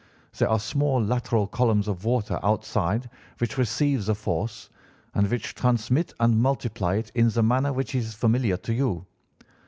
There are small lateral columns of water outside which receive the force, and which transmit and multiply it in the manner which is familiar to you.